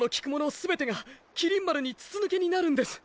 すべてが麒麟丸に筒抜けになるんです。